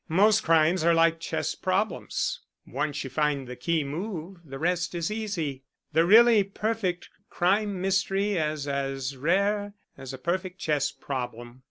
Most crimes are like chess problems once you find the key move, the rest is easy. The really perfect crime mystery is as rare as a perfect chess problem.